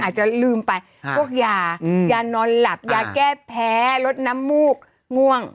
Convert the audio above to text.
อาจจะลืมไปพวกยายานอนหลับยาแก้แพ้ลดน้ำมูกง่วง